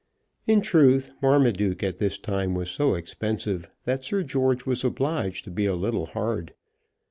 In truth Marmaduke at this time was so expensive that Sir George was obliged to be a little hard.